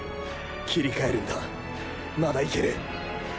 切り替えるんだまだいける